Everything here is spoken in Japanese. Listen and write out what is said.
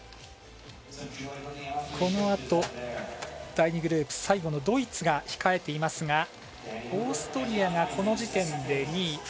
このあと第２グループ最後のドイツが控えていますがオーストリアが、この時点で２位。